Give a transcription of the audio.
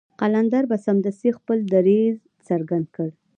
قلندر به سمدستي خپل دريځ څرګند کړ.